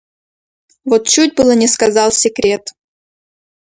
Вот чуть было не сказал секрет!